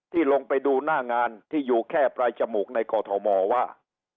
ลงไปดูหน้างานที่อยู่แค่ปลายจมูกในกอทมว่า